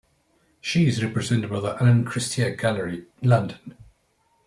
She is represented by the Alan Cristea Gallery, London.